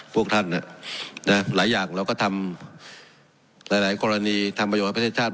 พวกท่านหลายอย่างเราก็ทำหลายกรณีทำประโยชน์ประเทศชาติ